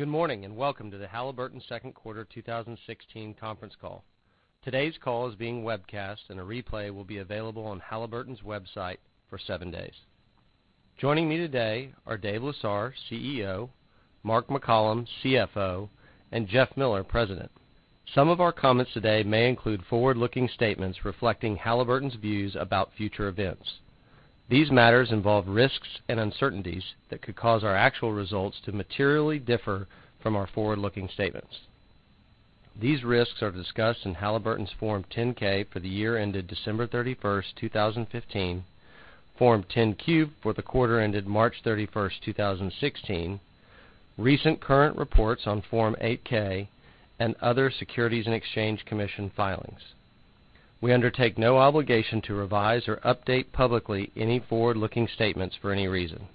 Good morning, welcome to the Halliburton second quarter 2016 conference call. Today's call is being webcast, and a replay will be available on Halliburton's website for seven days. Joining me today are Dave Lesar, CEO, Mark McCollum, CFO, and Jeff Miller, President. Some of our comments today may include forward-looking statements reflecting Halliburton's views about future events. These matters involve risks and uncertainties that could cause our actual results to materially differ from our forward-looking statements. These risks are discussed in Halliburton's Form 10-K for the year ended December 31st, 2015, Form 10-Q for the quarter ended March 31st, 2016, recent current reports on Form 8-K, and other Securities and Exchange Commission filings. We undertake no obligation to revise or update publicly any forward-looking statements for any reason.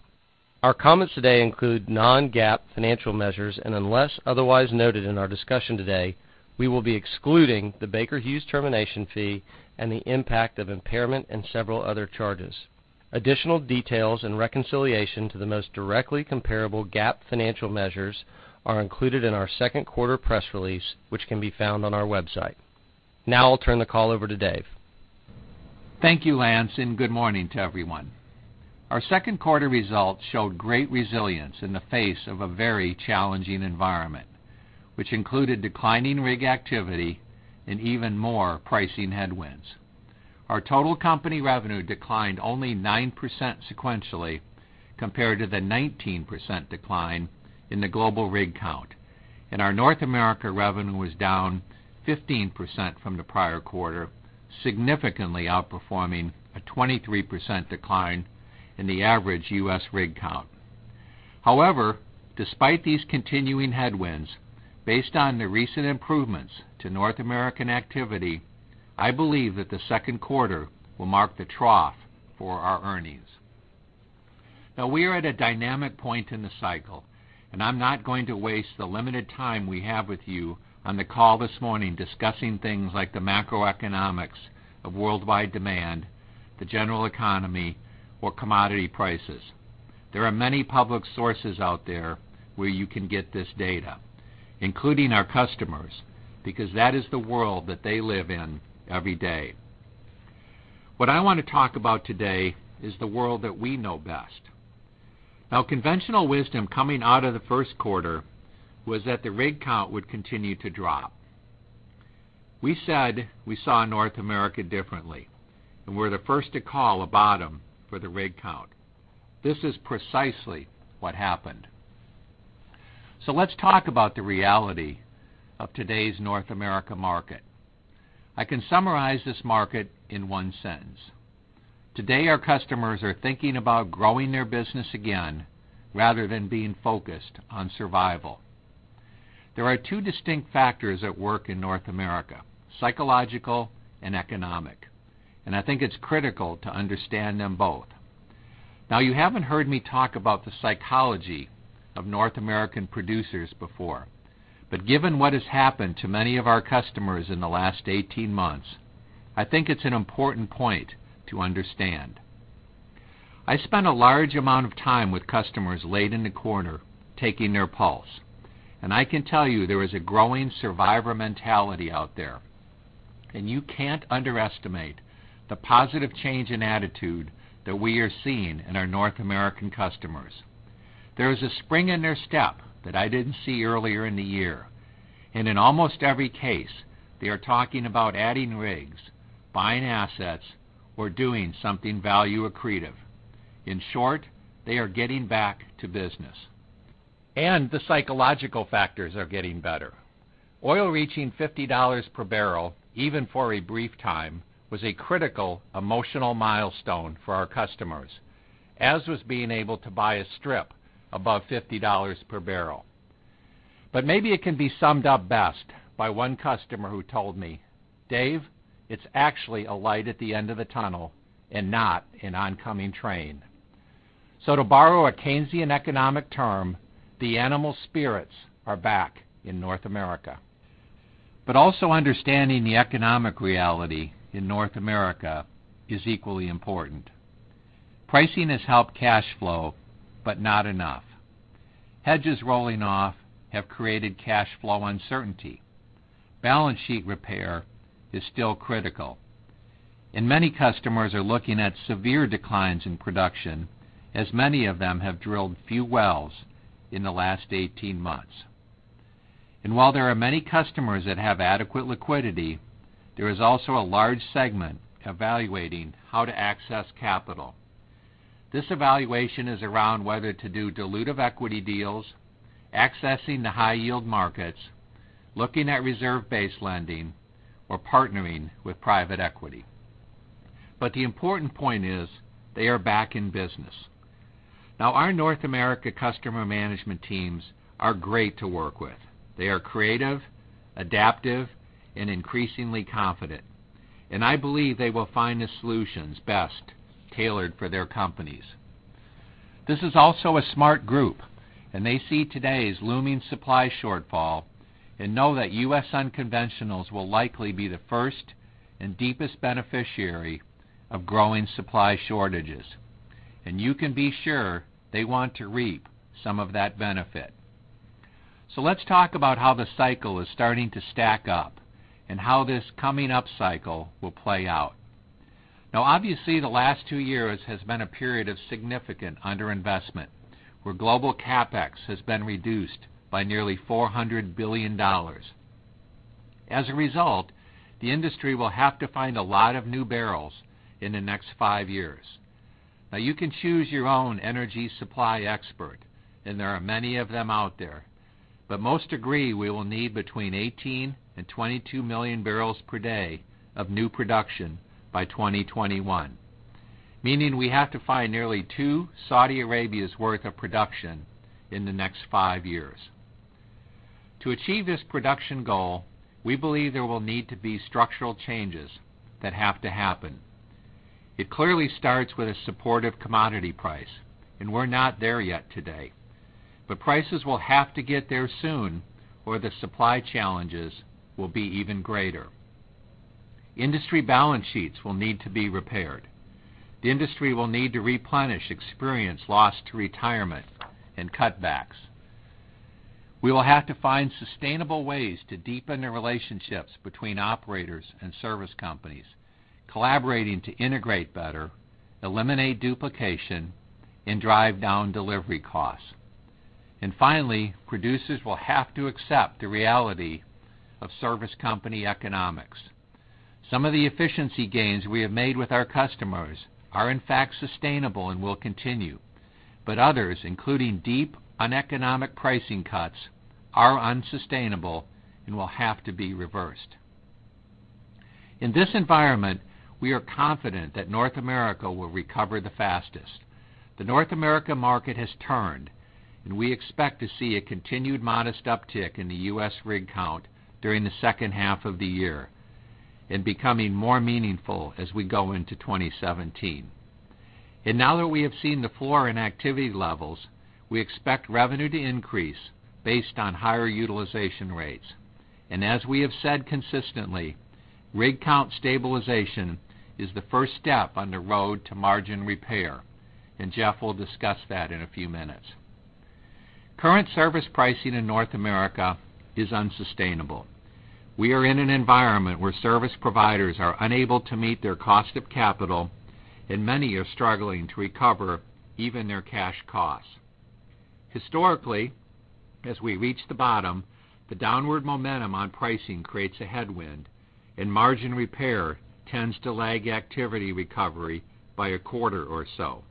Our comments today include non-GAAP financial measures, and unless otherwise noted in our discussion today, we will be excluding the Baker Hughes termination fee and the impact of impairment and several other charges. Additional details and reconciliation to the most directly comparable GAAP financial measures are included in our second quarter press release, which can be found on our website. Now I'll turn the call over to Dave. Thank you, Lance, and good morning to everyone. Our second quarter results showed great resilience in the face of a very challenging environment, which included declining rig activity and even more pricing headwinds. Our total company revenue declined only 9% sequentially compared to the 19% decline in the global rig count. Our North America revenue was down 15% from the prior quarter, significantly outperforming a 23% decline in the average U.S. rig count. However, despite these continuing headwinds, based on the recent improvements to North American activity, I believe that the second quarter will mark the trough for our earnings. Now we are at a dynamic point in the cycle, and I'm not going to waste the limited time we have with you on the call this morning discussing things like the macroeconomics of worldwide demand, the general economy, or commodity prices. There are many public sources out there where you can get this data, including our customers, because that is the world that they live in every day. What I want to talk about today is the world that we know best. Now, conventional wisdom coming out of the first quarter was that the rig count would continue to drop. We said we saw North America differently, and we're the first to call a bottom for the rig count. This is precisely what happened. Let's talk about the reality of today's North America market. I can summarize this market in one sentence. Today, our customers are thinking about growing their business again rather than being focused on survival. There are two distinct factors at work in North America, psychological and economic, and I think it's critical to understand them both. You haven't heard me talk about the psychology of North American producers before, but given what has happened to many of our customers in the last 18 months, I think it's an important point to understand. I spent a large amount of time with customers late in the quarter taking their pulse, and I can tell you there is a growing survivor mentality out there, and you can't underestimate the positive change in attitude that we are seeing in our North American customers. There is a spring in their step that I didn't see earlier in the year. In almost every case, they are talking about adding rigs, buying assets, or doing something value accretive. In short, they are getting back to business. The psychological factors are getting better. Oil reaching $50 per barrel, even for a brief time, was a critical emotional milestone for our customers, as was being able to buy a strip above $50 per barrel. Maybe it can be summed up best by one customer who told me, "Dave, it's actually a light at the end of the tunnel and not an oncoming train." To borrow a Keynesian economic term, the animal spirits are back in North America. Also understanding the economic reality in North America is equally important. Pricing has helped cash flow, but not enough. Hedges rolling off have created cash flow uncertainty. Balance sheet repair is still critical. Many customers are looking at severe declines in production, as many of them have drilled few wells in the last 18 months. While there are many customers that have adequate liquidity, there is also a large segment evaluating how to access capital. This evaluation is around whether to do dilutive equity deals, accessing the high-yield markets, looking at reserve-based lending, or partnering with private equity. The important point is they are back in business. Our North America customer management teams are great to work with. They are creative, adaptive, and increasingly confident. I believe they will find the solutions best tailored for their companies. This is also a smart group, and they see today's looming supply shortfall and know that U.S. unconventionals will likely be the first and deepest beneficiary of growing supply shortages. You can be sure they want to reap some of that benefit. Let's talk about how the cycle is starting to stack up and how this coming up cycle will play out. Obviously, the last two years has been a period of significant underinvestment, where global CapEx has been reduced by nearly $400 billion. As a result, the industry will have to find a lot of new barrels in the next five years. You can choose your own energy supply expert, and there are many of them out there. Most agree we will need between 18 and 22 million barrels per day of new production by 2021. Meaning we have to find nearly two Saudi Arabia's worth of production in the next five years. To achieve this production goal, we believe there will need to be structural changes that have to happen. It clearly starts with a supportive commodity price, and we're not there yet today. Prices will have to get there soon, or the supply challenges will be even greater. Industry balance sheets will need to be repaired. The industry will need to replenish experience lost to retirement and cutbacks. We will have to find sustainable ways to deepen the relationships between operators and service companies, collaborating to integrate better, eliminate duplication, and drive down delivery costs. Finally, producers will have to accept the reality of service company economics. Some of the efficiency gains we have made with our customers are in fact sustainable and will continue. Others, including deep uneconomic pricing cuts, are unsustainable and will have to be reversed. In this environment, we are confident that North America will recover the fastest. The North America market has turned. We expect to see a continued modest uptick in the U.S. rig count during the second half of the year and becoming more meaningful as we go into 2017. Now that we have seen the floor in activity levels, we expect revenue to increase based on higher utilization rates. As we have said consistently, rig count stabilization is the first step on the road to margin repair, and Jeff will discuss that in a few minutes. Current service pricing in North America is unsustainable. We are in an environment where service providers are unable to meet their cost of capital, and many are struggling to recover even their cash costs. Historically, as we reach the bottom, the downward momentum on pricing creates a headwind, and margin repair tends to lag activity recovery by a quarter or so.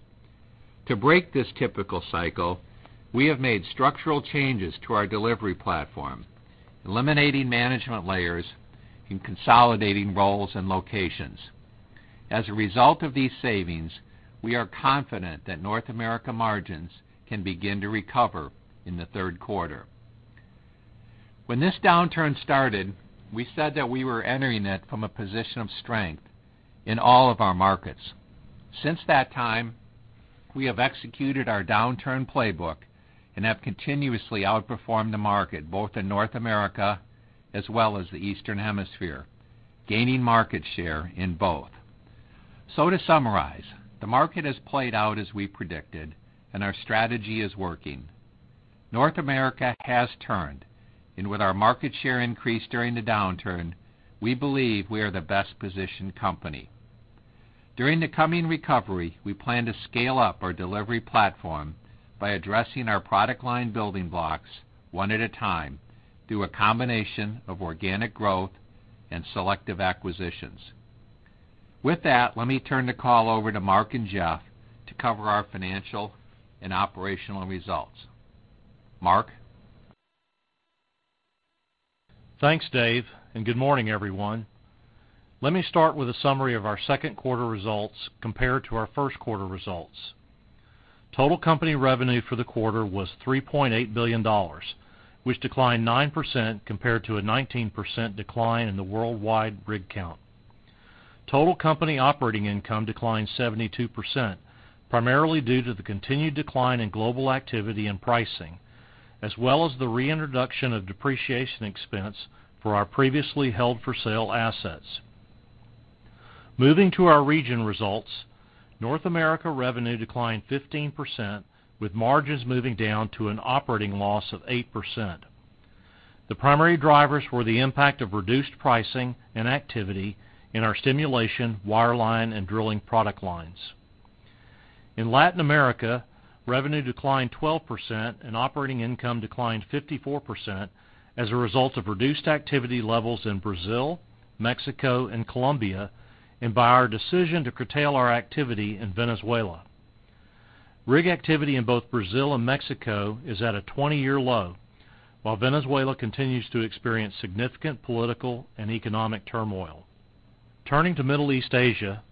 To break this typical cycle, we have made structural changes to our delivery platform, eliminating management layers and consolidating roles and locations. As a result of these savings, we are confident that North America margins can begin to recover in the third quarter. When this downturn started, we said that we were entering it from a position of strength in all of our markets. Since that time, we have executed our downturn playbook and have continuously outperformed the market, both in North America as well as the Eastern Hemisphere, gaining market share in both. To summarize, the market has played out as we predicted. Our strategy is working. North America has turned, with our market share increase during the downturn, we believe we are the best-positioned company. During the coming recovery, we plan to scale up our delivery platform by addressing our product line building blocks one at a time through a combination of organic growth and selective acquisitions. With that, let me turn the call over to Mark and Jeff to cover our financial and operational results. Mark? Thanks, Dave, and good morning, everyone. Let me start with a summary of our second quarter results compared to our first quarter results. Total company revenue for the quarter was $3.8 billion, which declined 9% compared to a 19% decline in the worldwide rig count. Total company operating income declined 72%, primarily due to the continued decline in global activity and pricing, as well as the reintroduction of depreciation expense for our previously held-for-sale assets. Moving to our region results, North America revenue declined 15%, with margins moving down to an operating loss of 8%. The primary drivers were the impact of reduced pricing and activity in our stimulation, wireline, and drilling product lines. In Latin America, revenue declined 12% and operating income declined 54% as a result of reduced activity levels in Brazil, Mexico, and Colombia and by our decision to curtail our activity in Venezuela. Rig activity in both Brazil and Mexico is at a 20-year low, while Venezuela continues to experience significant political and economic turmoil. Turning to Middle East Asia,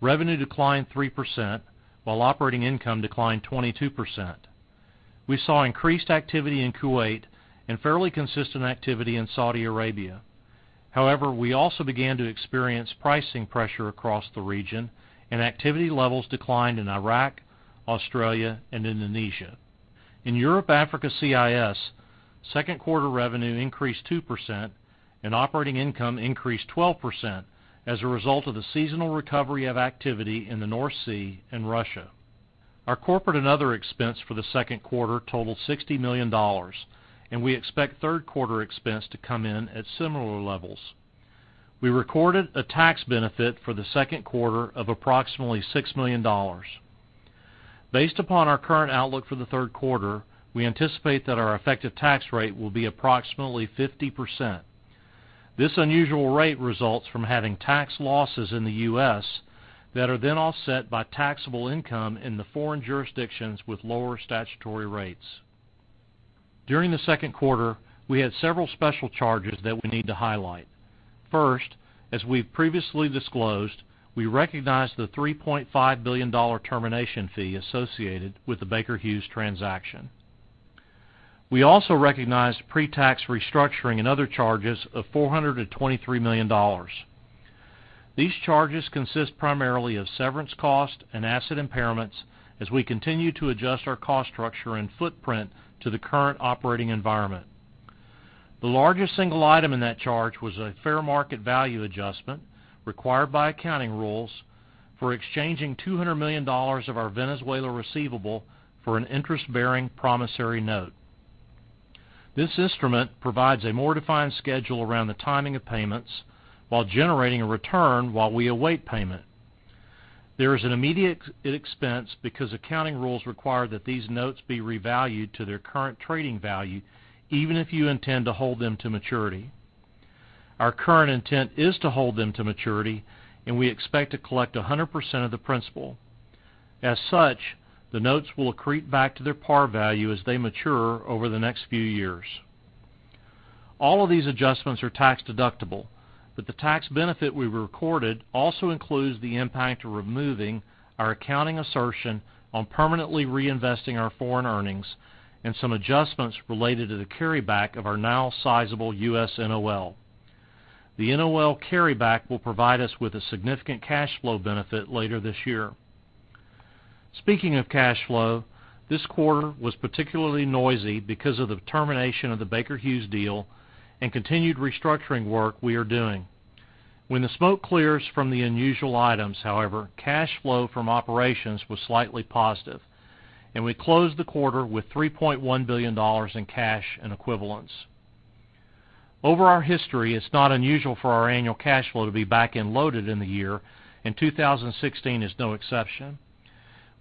revenue declined 3%, while operating income declined 22%. We saw increased activity in Kuwait and fairly consistent activity in Saudi Arabia. However, we also began to experience pricing pressure across the region and activity levels declined in Iraq, Australia, and Indonesia. In Europe, Africa, CIS second quarter revenue increased 2%, and operating income increased 12% as a result of the seasonal recovery of activity in the North Sea and Russia. Our corporate and other expense for the second quarter totaled $60 million, and we expect third quarter expense to come in at similar levels. We recorded a tax benefit for the second quarter of approximately $6 million. Based upon our current outlook for the third quarter, we anticipate that our effective tax rate will be approximately 50%. This unusual rate results from having tax losses in the U.S. that are then offset by taxable income in the foreign jurisdictions with lower statutory rates. During the second quarter, we had several special charges that we need to highlight. First, as we've previously disclosed, we recognized the $3.5 billion termination fee associated with the Baker Hughes transaction. We also recognized pre-tax restructuring and other charges of $423 million. These charges consist primarily of severance cost and asset impairments as we continue to adjust our cost structure and footprint to the current operating environment. The largest single item in that charge was a fair market value adjustment required by accounting rules for exchanging $200 million of our Venezuela receivable for an interest-bearing promissory note. This instrument provides a more defined schedule around the timing of payments while generating a return while we await payment. There is an immediate expense because accounting rules require that these notes be revalued to their current trading value, even if you intend to hold them to maturity. Our current intent is to hold them to maturity, and we expect to collect 100% of the principal. As such, the notes will accrete back to their par value as they mature over the next few years. All of these adjustments are tax-deductible, but the tax benefit we recorded also includes the impact of removing our accounting assertion on permanently reinvesting our foreign earnings and some adjustments related to the carryback of our now sizable U.S. NOL. The NOL carryback will provide us with a significant cash flow benefit later this year. Speaking of cash flow, this quarter was particularly noisy because of the termination of the Baker Hughes deal and continued restructuring work we are doing. When the smoke clears from the unusual items, however, cash flow from operations was slightly positive, and we closed the quarter with $3.1 billion in cash and equivalents. Over our history, it's not unusual for our annual cash flow to be back-end loaded in the year, and 2016 is no exception.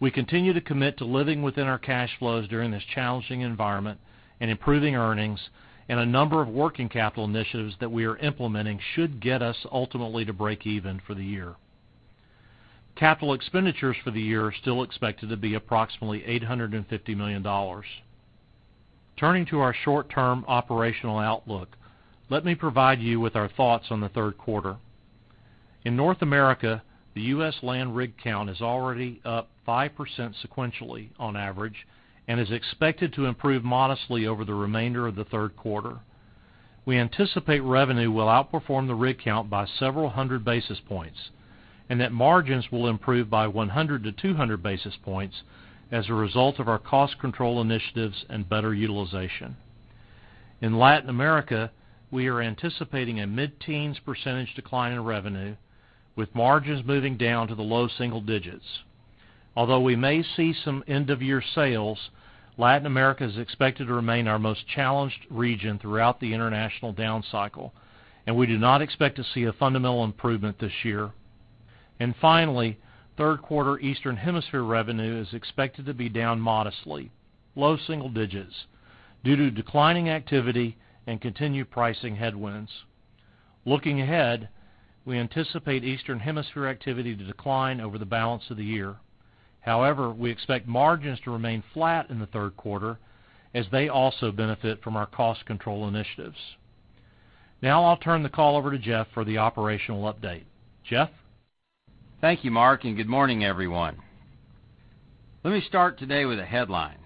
We continue to commit to living within our cash flows during this challenging environment and improving earnings, and a number of working capital initiatives that we are implementing should get us ultimately to break even for the year. Capital expenditures for the year are still expected to be approximately $850 million. Turning to our short-term operational outlook, let me provide you with our thoughts on the third quarter. In North America, the U.S. land rig count is already up 5% sequentially on average and is expected to improve modestly over the remainder of the third quarter. We anticipate revenue will outperform the rig count by several hundred basis points, and that margins will improve by 100 to 200 basis points as a result of our cost control initiatives and better utilization. In Latin America, we are anticipating a mid-teens percentage decline in revenue, with margins moving down to the low single digits. Although we may see some end-of-year sales, Latin America is expected to remain our most challenged region throughout the international down cycle, and we do not expect to see a fundamental improvement this year. Finally, third quarter Eastern Hemisphere revenue is expected to be down modestly, low single digits, due to declining activity and continued pricing headwinds. Looking ahead, we anticipate Eastern Hemisphere activity to decline over the balance of the year. However, we expect margins to remain flat in the third quarter as they also benefit from our cost control initiatives. Now I'll turn the call over to Jeff for the operational update. Jeff? Thank you, Mark, and good morning, everyone. Let me start today with a headline: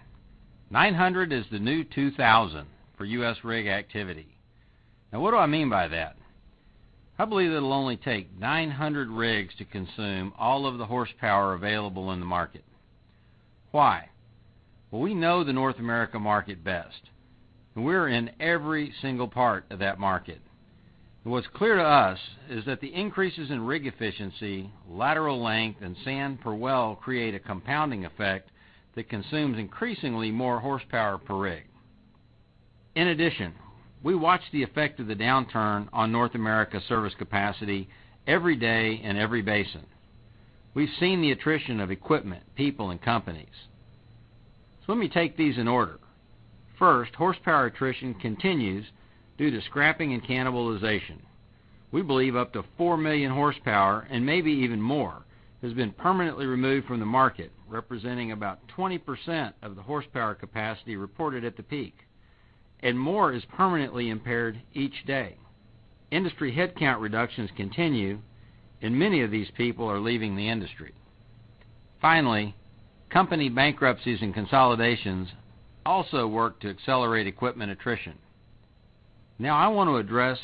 900 is the new 2,000 for U.S. rig activity. Now, what do I mean by that? I believe it'll only take 900 rigs to consume all of the horsepower available in the market. Why? Well, we know the North America market best. We're in every single part of that market. What's clear to us is that the increases in rig efficiency, lateral length, and sand per well create a compounding effect that consumes increasingly more horsepower per rig. In addition, we watch the effect of the downturn on North America service capacity every day in every basin. We've seen the attrition of equipment, people, and companies. Let me take these in order. First, horsepower attrition continues due to scrapping and cannibalization. We believe up to four million horsepower, and maybe even more, has been permanently removed from the market, representing about 20% of the horsepower capacity reported at the peak, and more is permanently impaired each day. Industry headcount reductions continue, and many of these people are leaving the industry. Company bankruptcies and consolidations also work to accelerate equipment attrition. I want to address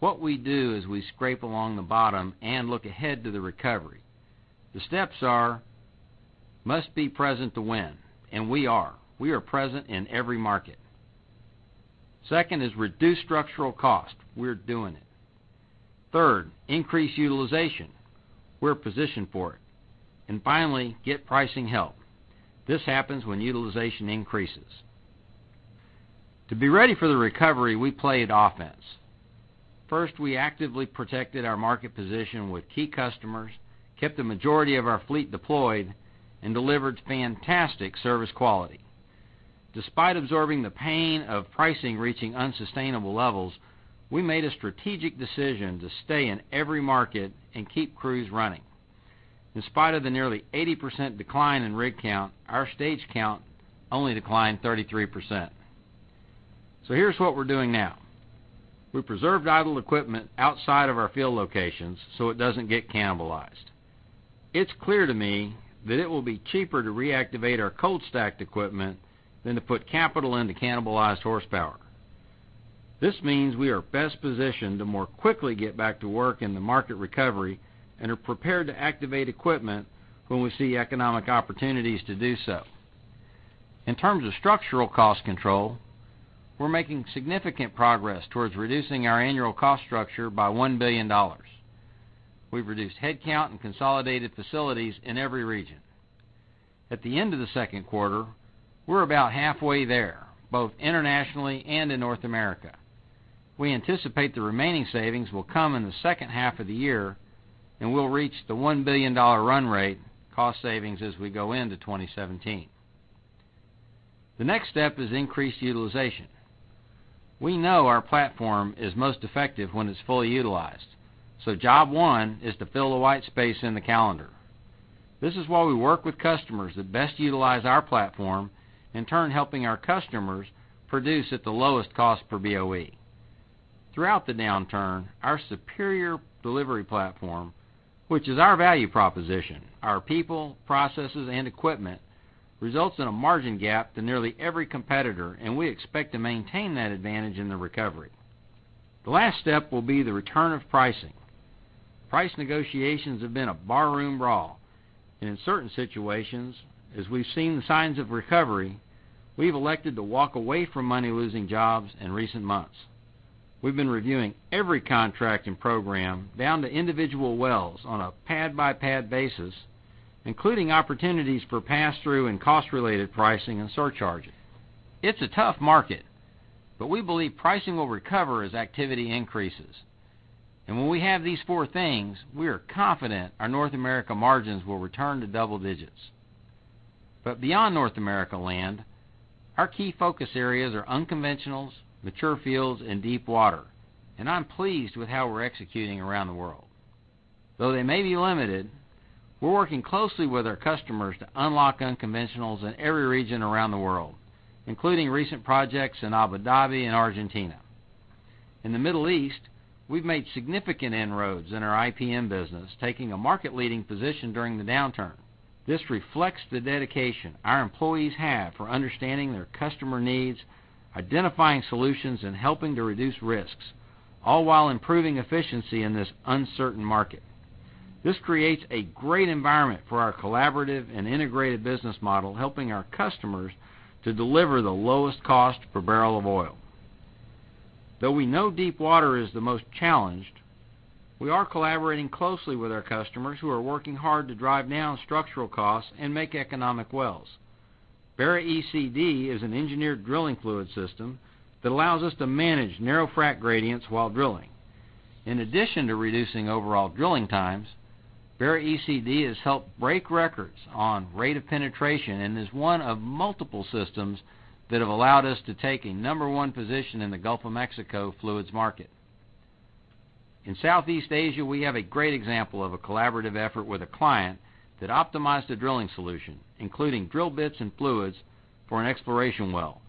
what we do as we scrape along the bottom and look ahead to the recovery. The steps are, must be present to win, and we are. We are present in every market. Second, reduce structural cost. We're doing it. Third, increase utilization. We're positioned for it. Finally, get pricing help. This happens when utilization increases. To be ready for the recovery, we played offense. First, we actively protected our market position with key customers, kept the majority of our fleet deployed, and delivered fantastic service quality. Despite absorbing the pain of pricing reaching unsustainable levels, we made a strategic decision to stay in every market and keep crews running. In spite of the nearly 80% decline in rig count, our stage count only declined 33%. Here's what we're doing now. We preserved idle equipment outside of our field locations so it doesn't get cannibalized. It's clear to me that it will be cheaper to reactivate our cold-stacked equipment than to put capital into cannibalized horsepower. This means we are best positioned to more quickly get back to work in the market recovery and are prepared to activate equipment when we see economic opportunities to do so. In terms of structural cost control, we're making significant progress towards reducing our annual cost structure by $1 billion. We've reduced headcount and consolidated facilities in every region. At the end of the second quarter, we're about halfway there, both internationally and in North America. We anticipate the remaining savings will come in the second half of the year, and we'll reach the $1 billion run rate cost savings as we go into 2017. The next step is increased utilization. We know our platform is most effective when it's fully utilized. Job one is to fill the white space in the calendar. This is why we work with customers that best utilize our platform, in turn helping our customers produce at the lowest cost per BOE. Throughout the downturn, our superior delivery platform, which is our value proposition, our people, processes, and equipment, results in a margin gap to nearly every competitor, and we expect to maintain that advantage in the recovery. The last step will be the return of pricing. Price negotiations have been a barroom brawl. In certain situations, as we've seen the signs of recovery, we've elected to walk away from money-losing jobs in recent months. We've been reviewing every contract and program down to individual wells on a pad-by-pad basis, including opportunities for pass-through and cost-related pricing and surcharging. It's a tough market, but we believe pricing will recover as activity increases. When we have these four things, we are confident our North America margins will return to double digits. Beyond North America land, our key focus areas are unconventionals, mature fields, and deep water. I'm pleased with how we're executing around the world. Though they may be limited, we're working closely with our customers to unlock unconventionals in every region around the world, including recent projects in Abu Dhabi and Argentina. In the Middle East, we've made significant inroads in our IPM business, taking a market-leading position during the downturn. This reflects the dedication our employees have for understanding their customer needs, identifying solutions, and helping to reduce risks, all while improving efficiency in this uncertain market. This creates a great environment for our collaborative and integrated business model, helping our customers to deliver the lowest cost per barrel of oil. Though we know deep water is the most challenged, we are collaborating closely with our customers who are working hard to drive down structural costs and make economic wells. BaraECD is an engineered drilling fluid system that allows us to manage narrow frac gradients while drilling. In addition to reducing overall drilling times, BaraECD has helped break records on rate of penetration and is one of multiple systems that have allowed us to take a number 1 position in the Gulf of Mexico fluids market. In Southeast Asia, we have a great example of a collaborative effort with a client that optimized a drilling solution, including drill bits and fluids for an exploration well,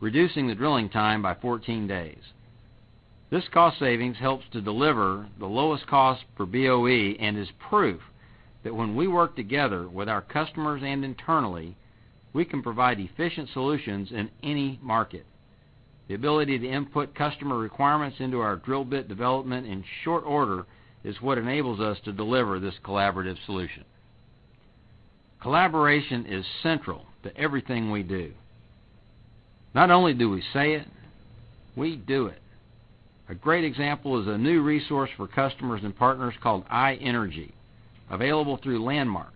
reducing the drilling time by 14 days. This cost savings helps to deliver the lowest cost per BOE and is proof that when we work together with our customers and internally, we can provide efficient solutions in any market. The ability to input customer requirements into our drill bit development in short order is what enables us to deliver this collaborative solution. Collaboration is central to everything we do. Not only do we say it, we do it. A great example is a new resource for customers and partners called iEnergy, available through Landmark.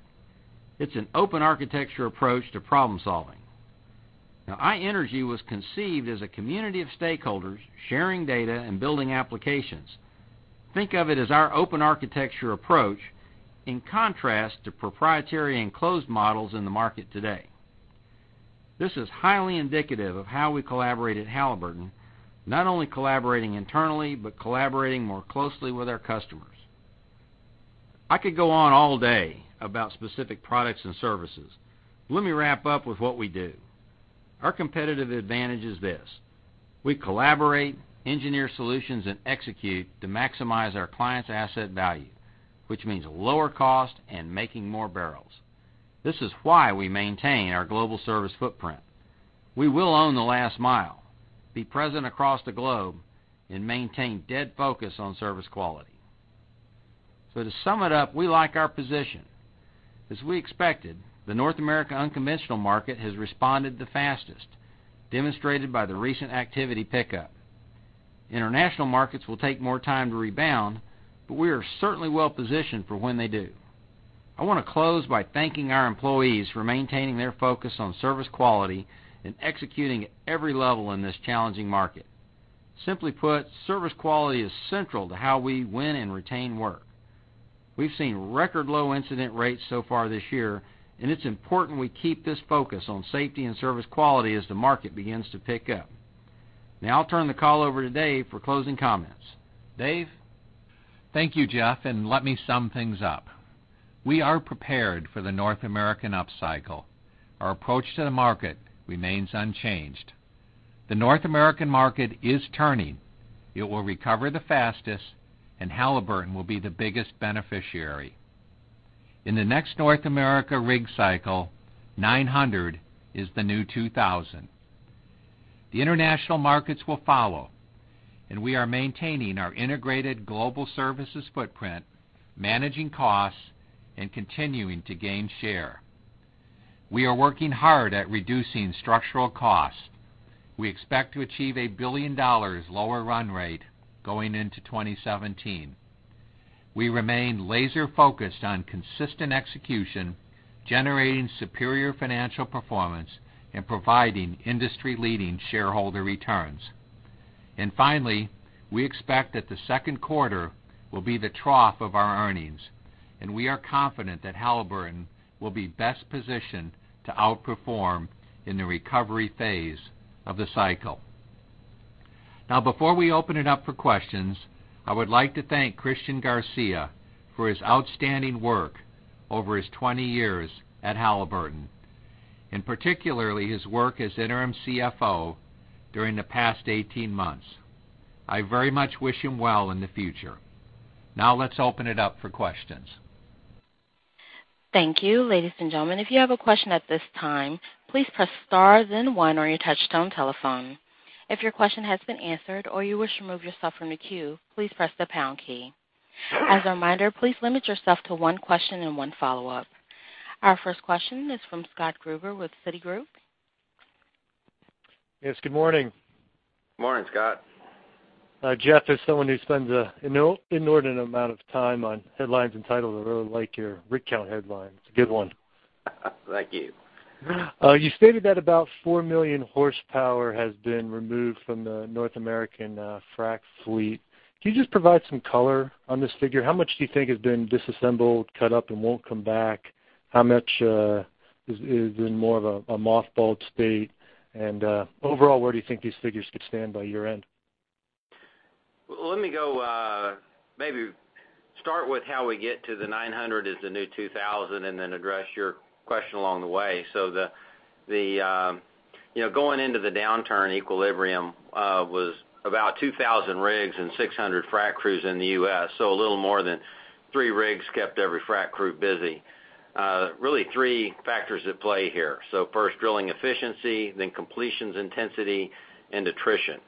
It's an open architecture approach to problem-solving. iEnergy was conceived as a community of stakeholders sharing data and building applications. Think of it as our open architecture approach in contrast to proprietary enclosed models in the market today. This is highly indicative of how we collaborate at Halliburton, not only collaborating internally but collaborating more closely with our customers. I could go on all day about specific products and services, but let me wrap up with what we do. Our competitive advantage is this: We collaborate, engineer solutions, and execute to maximize our clients' asset value, which means lower cost and making more barrels. This is why we maintain our global service footprint. We will own the last mile, be present across the globe, and maintain dead focus on service quality. To sum it up, we like our position. As we expected, the North American unconventional market has responded the fastest, demonstrated by the recent activity pickup. International markets will take more time to rebound, but we are certainly well-positioned for when they do. I want to close by thanking our employees for maintaining their focus on service quality and executing at every level in this challenging market. Simply put, service quality is central to how we win and retain work. We've seen record low incident rates so far this year, and it's important we keep this focus on safety and service quality as the market begins to pick up. I'll turn the call over to Dave for closing comments. Dave? Thank you, Jeff, and let me sum things up. Our approach to the market remains unchanged. The North American market is turning. It will recover the fastest, and Halliburton will be the biggest beneficiary. In the next North America rig cycle, 900 is the new 2,000. The international markets will follow, and we are maintaining our integrated global services footprint, managing costs and continuing to gain share. We are working hard at reducing structural cost. We expect to achieve a $1 billion lower run rate going into 2017. We remain laser-focused on consistent execution, generating superior financial performance and providing industry-leading shareholder returns. Finally, we expect that the second quarter will be the trough of our earnings, and we are confident that Halliburton will be best positioned to outperform in the recovery phase of the cycle. Before we open it up for questions, I would like to thank Christian Garcia for his outstanding work over his 20 years at Halliburton, and particularly his work as interim CFO during the past 18 months. I very much wish him well in the future. Let's open it up for questions. Thank you. Ladies and gentlemen, if you have a question at this time, please press star then one on your touchtone telephone. If your question has been answered or you wish to remove yourself from the queue, please press the pound key. As a reminder, please limit yourself to one question and one follow-up. Our first question is from Scott Gruber with Citigroup. Yes, good morning. Morning, Scott. Jeff, as someone who spends an inordinate amount of time on headlines and titles, I really like your rig count headline. It's a good one. Thank you. You stated that about 4 million horsepower has been removed from the North American frack fleet. Can you just provide some color on this figure? How much do you think has been disassembled, cut up, and won't come back? How much is in more of a mothballed state? Overall, where do you think these figures could stand by year-end? Let me maybe start with how we get to the 900 is the new 2,000. Then address your question along the way. Going into the downturn, equilibrium was about 2,000 rigs and 600 frack crews in the U.S. A little more than three rigs kept every frack crew busy. Really three factors at play here. First, drilling efficiency, completions intensity, and attrition.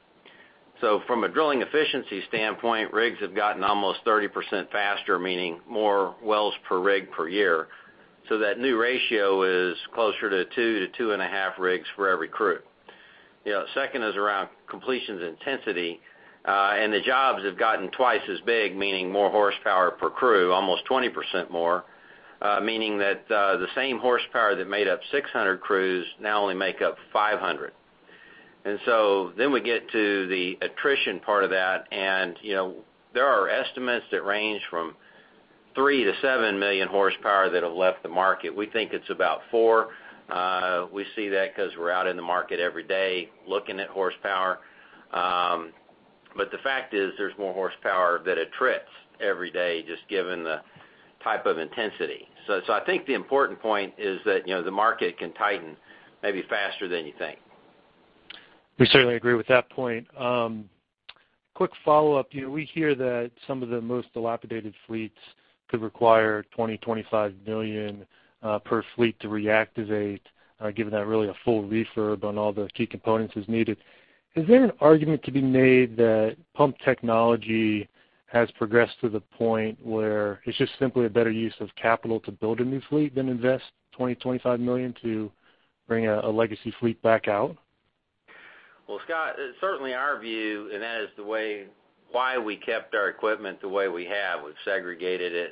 From a drilling efficiency standpoint, rigs have gotten almost 30% faster, meaning more wells per rig per year. That new ratio is closer to two to two and a half rigs for every crew. Second is around completions intensity. The jobs have gotten twice as big, meaning more horsepower per crew, almost 20% more, meaning that the same horsepower that made up 600 crews now only make up 500. We get to the attrition part of that. There are estimates that range from three to seven million horsepower that have left the market. We think it's about four. We see that because we're out in the market every day looking at horsepower. The fact is, there's more horsepower that attrits every day, just given the type of intensity. I think the important point is that the market can tighten maybe faster than you think. We certainly agree with that point. Quick follow-up. We hear that some of the most dilapidated fleets could require $20 million, $25 million per fleet to reactivate given that really a full refurb on all the key components is needed. Is there an argument to be made that pump technology has progressed to the point where it's just simply a better use of capital to build a new fleet than invest $20 million, $25 million to bring a legacy fleet back out? Well, Scott, it's certainly our view. That is why we kept our equipment the way we have. We've segregated it.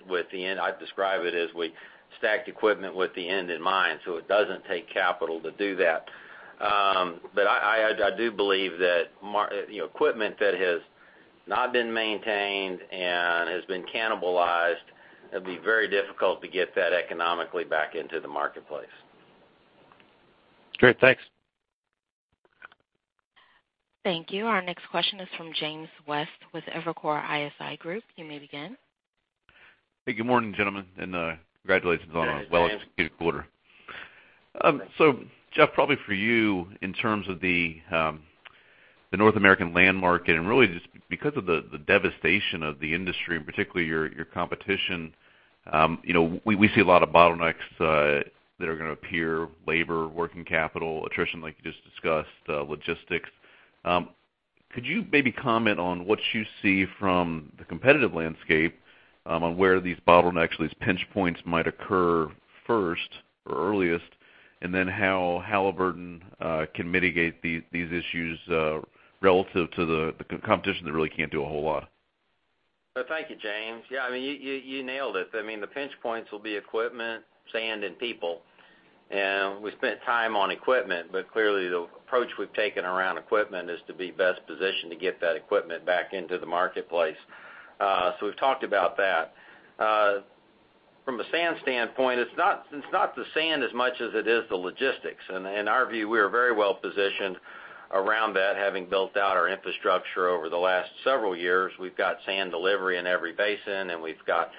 I describe it as we stacked equipment with the end in mind. It doesn't take capital to do that. I do believe that equipment that has not been maintained and has been cannibalized, it'd be very difficult to get that economically back into the marketplace. Great. Thanks. Thank you. Our next question is from James West with Evercore ISI Group. You may begin. Hey, good morning, gentlemen, and congratulations on a well-executed quarter. Jeff, probably for you, in terms of the North American land market, really just because of the devastation of the industry and particularly your competition. We see a lot of bottlenecks that are going to appear, labor, working capital attrition, like you just discussed, logistics. Could you maybe comment on what you see from the competitive landscape on where these bottlenecks, these pinch points might occur first or earliest, and then how Halliburton can mitigate these issues relative to the competition that really can't do a whole lot? Thank you, James. Yeah, you nailed it. The pinch points will be equipment, sand, and people. We spent time on equipment, clearly the approach we've taken around equipment is to be best positioned to get that equipment back into the marketplace. We've talked about that. From a sand standpoint, it's not the sand as much as it is the logistics. In our view, we are very well positioned around that, having built out our infrastructure over the last several years. We've got sand delivery in every basin, and we've got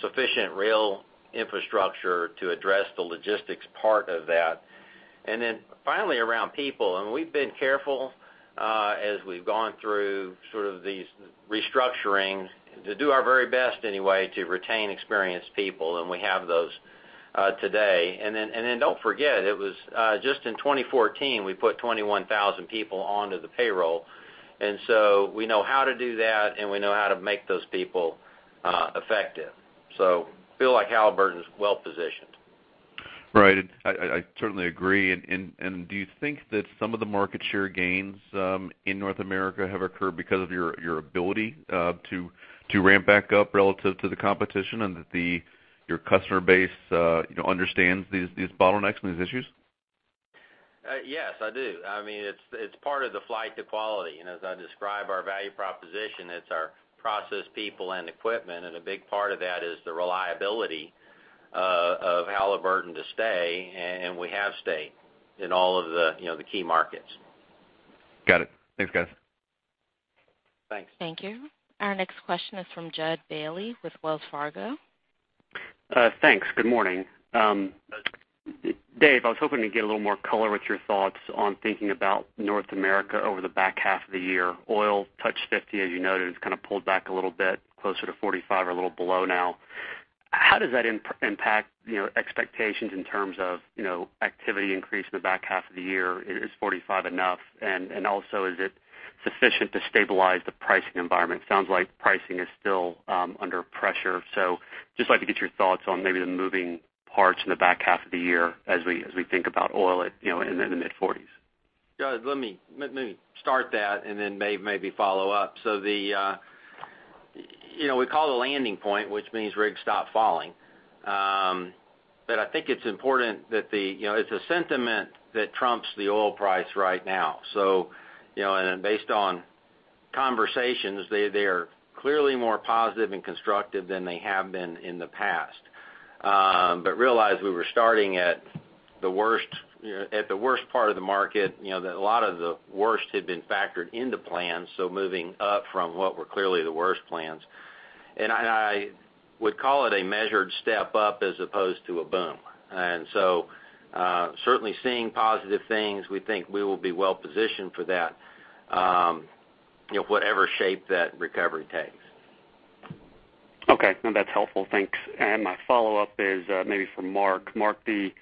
sufficient rail infrastructure to address the logistics part of that. Finally, around people. We've been careful as we've gone through these restructuring to do our very best anyway to retain experienced people, and we have those today. Don't forget, it was just in 2014, we put 21,000 people onto the payroll. We know how to do that, and we know how to make those people effective. Feel like Halliburton's well-positioned. Right. I certainly agree. Do you think that some of the market share gains in North America have occurred because of your ability to ramp back up relative to the competition and that your customer base understands these bottlenecks and these issues? Yes, I do. It's part of the flight to quality, and as I describe our value proposition, it's our process, people, and equipment, and a big part of that is the reliability of Halliburton to stay, and we have stayed in all of the key markets. Got it. Thanks, guys. Thanks. Thank you. Our next question is from Jud Bailey with Wells Fargo. Thanks. Good morning. Dave, I was hoping to get a little more color with your thoughts on thinking about North America over the back half of the year. Oil touched $50, as you noted. It's kind of pulled back a little bit, closer to $45 or a little below now. How does that impact expectations in terms of activity increase in the back half of the year? Is $45 enough? Is it sufficient to stabilize the pricing environment? Sounds like pricing is still under pressure. Just like to get your thoughts on maybe the moving parts in the back half of the year as we think about oil in the mid-$40s. Jud, let me start that and then maybe follow up. We call it a landing point, which means rigs stop falling. I think it's important that it's a sentiment that trumps the oil price right now. Based on conversations, they are clearly more positive and constructive than they have been in the past. Realize we were starting at the worst part of the market. A lot of the worst had been factored into plans, so moving up from what were clearly the worst plans. I would call it a measured step up as opposed to a boom. Certainly seeing positive things, we think we will be well positioned for that whatever shape that recovery takes. Okay. No, that's helpful. Thanks. My follow-up is maybe for Mark. Mark, the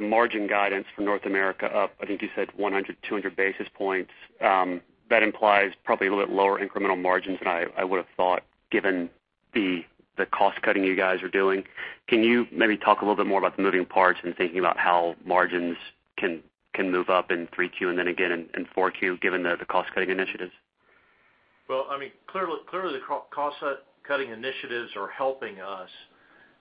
margin guidance for North America up, I think you said 100, 200 basis points. That implies probably a little bit lower incremental margins than I would've thought given the cost cutting you guys are doing. Can you maybe talk a little bit more about the moving parts and thinking about how margins can move up in 3Q and then again in 4Q, given the cost-cutting initiatives? Clearly the cost-cutting initiatives are helping us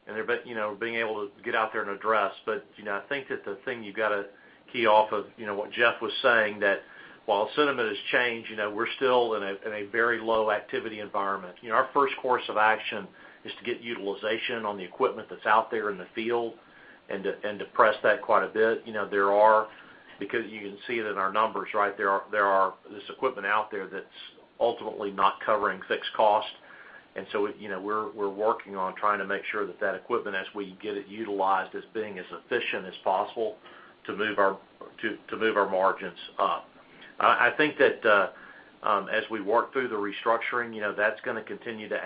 and being able to get out there and address. I think that the thing you've got to key off of what Jeff was saying, that while sentiment has changed, we're still in a very low activity environment. Our first course of action is to get utilization on the equipment that's out there in the field and to press that quite a bit. Because you can see it in our numbers, right? There are this equipment out there that's ultimately not covering fixed cost. We're working on trying to make sure that that equipment, as we get it utilized, is being as efficient as possible to move our margins up. I think that as we work through the restructuring, that's going to continue to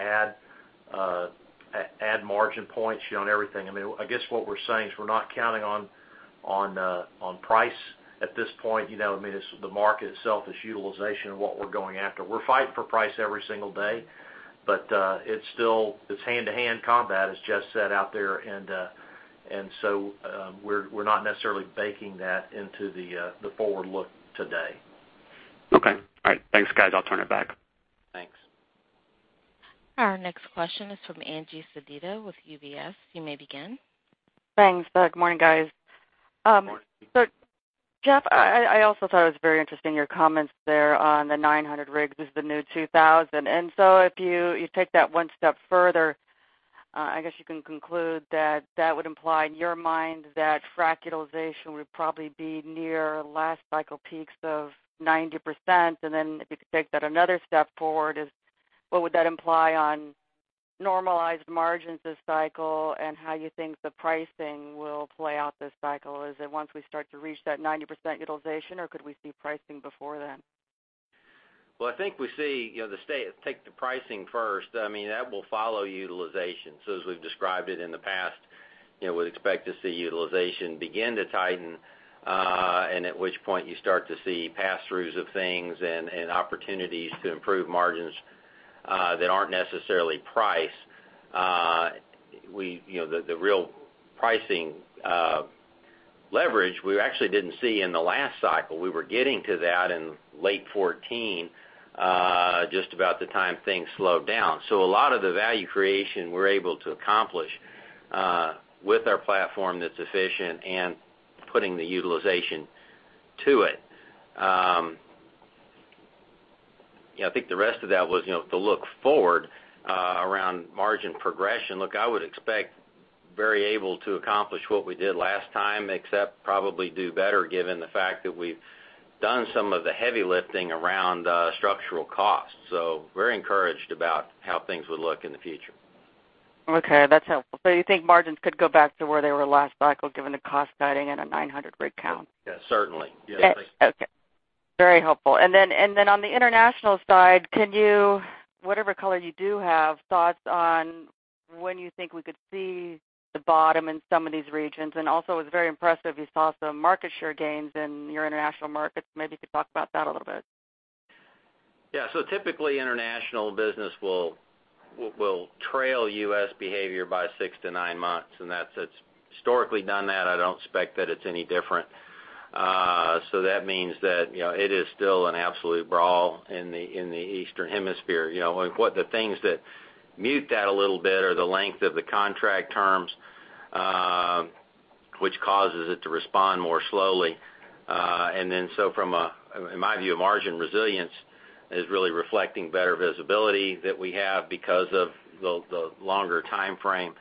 add margin points on everything. I guess what we're saying is we're not counting on price at this point. The market itself is utilization of what we're going after. We're fighting for price every single day, but it's hand-to-hand combat, as Jeff said, out there. We're not necessarily baking that into the forward look today. Okay. All right. Thanks, guys. I'll turn it back. Thanks. Our next question is from Angie Sedita with UBS. You may begin. Thanks. Good morning, guys. Morning. Jeff, I also thought it was very interesting, your comments there on the 900 rigs is the new 2,000. If you take that one step further, I guess you can conclude that that would imply in your mind that frac utilization would probably be near last cycle peaks of 90%. If you could take that another step forward is what would that imply on normalized margins this cycle and how you think the pricing will play out this cycle. Is it once we start to reach that 90% utilization, or could we see pricing before then? I think we take the pricing first. That will follow utilization. As we've described it in the past, we'd expect to see utilization begin to tighten, and at which point you start to see pass-throughs of things and opportunities to improve margins that aren't necessarily price. The real pricing leverage, we actually didn't see in the last cycle. We were getting to that in late 2014, just about the time things slowed down. A lot of the value creation we're able to accomplish with our platform that's efficient and putting the utilization to it. I think the rest of that was, to look forward around margin progression. Look, I would expect very able to accomplish what we did last time, except probably do better given the fact that we've done some of the heavy lifting around structural costs. very encouraged about how things would look in the future. Okay, that's helpful. You think margins could go back to where they were last cycle, given the cost cutting and a 900 rig count? Yeah, certainly. Okay. Very helpful. On the international side, can you, whatever color you do have, thoughts on when you think we could see the bottom in some of these regions? It was very impressive, we saw some market share gains in your international markets. Maybe you could talk about that a little bit. Typically, international business will trail U.S. behavior by 6 to 9 months, and that's historically done that. I don't expect that it's any different. That means that it is still an absolute brawl in the Eastern Hemisphere. The things that mute that a little bit are the length of the contract terms, which causes it to respond more slowly. From a, in my view, a margin resilience is really reflecting better visibility that we have because of the longer timeframe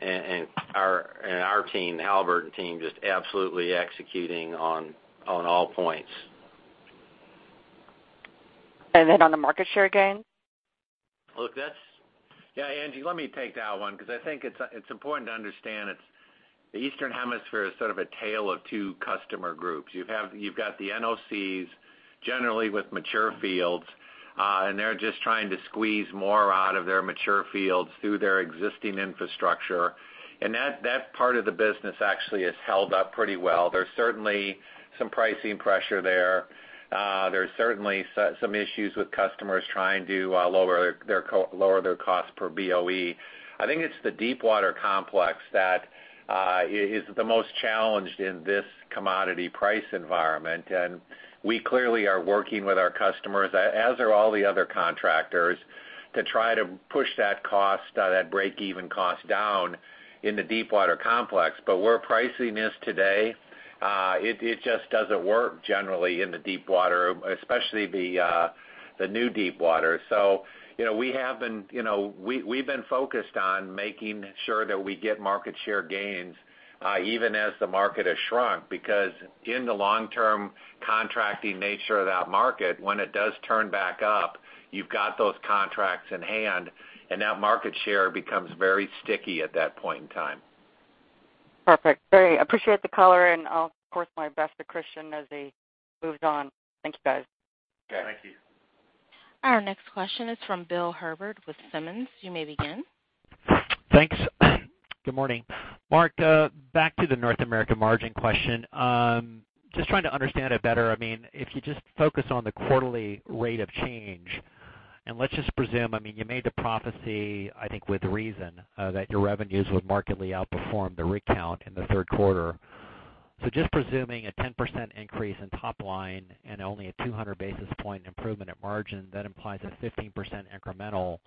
and our team, Halliburton team, just absolutely executing on all points. On the market share gain? Look, yeah, Angie, let me take that one, because I think it's important to understand the Eastern Hemisphere is sort of a tale of two customer groups. You've got the NOCs generally with mature fields, They're just trying to squeeze more out of their mature fields through their existing infrastructure. That part of the business actually has held up pretty well. There's certainly some pricing pressure there. There's certainly some issues with customers trying to lower their cost per BOE. I think it's the deepwater complex that is the most challenged in this commodity price environment. We clearly are working with our customers, as are all the other contractors, to try to push that break-even cost down in the deepwater complex. Where pricing is today, it just doesn't work generally in the deepwater, especially the new deepwater. We've been focused on making sure that we get market share gains, even as the market has shrunk. In the long-term contracting nature of that market, when it does turn back up, you've got those contracts in hand, That market share becomes very sticky at that point in time. Perfect. Great. Appreciate the color, and I will report my best to Christian as he moves on. Thank you, guys. Okay. Thank you. Our next question is from Bill Herbert with Simmons. You may begin. Thanks. Good morning. Mark, back to the North American margin question. Just trying to understand it better. If you just focus on the quarterly rate of change, and let's just presume, you made the prophecy, I think with reason, that your revenues would markedly outperform the rig count in the third quarter. Just presuming a 10% increase in top line and only a 200 basis point improvement at margin, that implies a 15% incremental.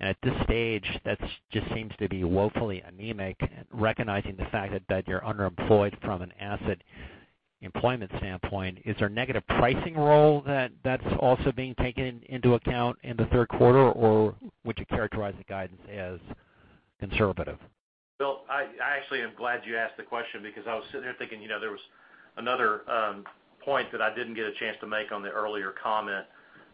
At this stage, that just seems to be woefully anemic, recognizing the fact that you are underemployed from an asset employment standpoint. Is there negative pricing roll that is also being taken into account in the third quarter, or would you characterize the guidance as conservative? Bill, I actually am glad you asked the question because I was sitting here thinking there was another point that I didn't get a chance to make on the earlier comment.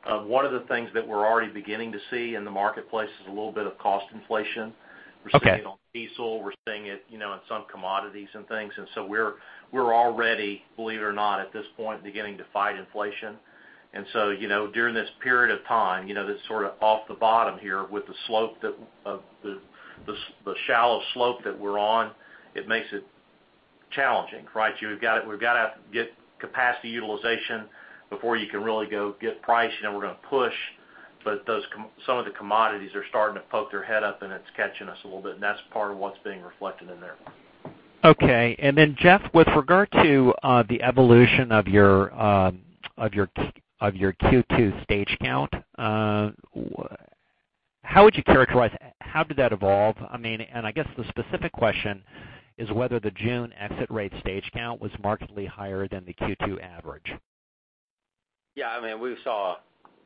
One of the things that we're already beginning to see in the marketplace is a little bit of cost inflation. Okay. We're seeing it on diesel, we're seeing it in some commodities and things. We're already, believe it or not, at this point, beginning to fight inflation. During this period of time, that's sort of off the bottom here with the slope, the shallow slope that we're on, it makes it challenging, right? We've got to get capacity utilization before you can really go get price. We're going to push, but some of the commodities are starting to poke their head up, and it's catching us a little bit, and that's part of what's being reflected in there. Okay. Jeff, with regard to the evolution of your Q2 stage count, how would you characterize it? How did that evolve? I guess the specific question is whether the June exit rate stage count was markedly higher than the Q2 average. Yeah, we saw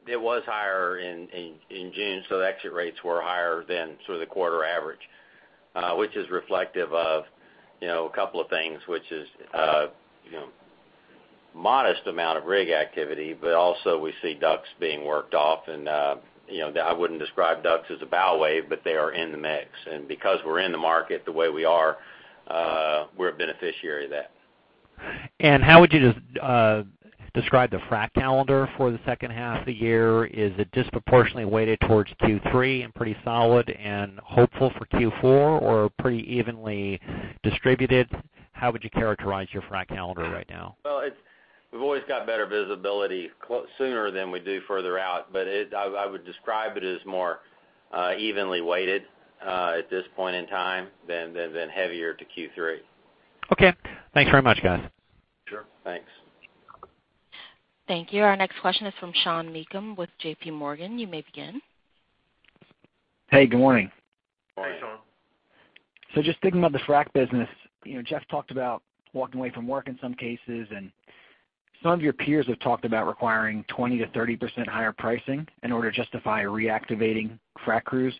it was higher in June, so the exit rates were higher than sort of the quarter average, which is reflective of a couple of things, which is modest amount of rig activity, but also we see DUCs being worked off. I wouldn't describe DUCs as a bow wave, but they are in the mix. Because we're in the market the way we are, we're a beneficiary of that. How would you describe the frac calendar for the second half of the year? Is it disproportionately weighted towards Q3 and pretty solid and hopeful for Q4, or pretty evenly distributed? How would you characterize your frac calendar right now? Well, we've always got better visibility sooner than we do further out, but I would describe it as more evenly weighted at this point in time than heavier to Q3. Okay. Thanks very much, guys. Sure. Thanks. Thank you. Our next question is from Sean Meakim with JPMorgan. You may begin. Hey, good morning. Hey, Sean. Just thinking about the frac business, Jeff talked about walking away from work in some cases, and some of your peers have talked about requiring 20%-30% higher pricing in order to justify reactivating frac crews.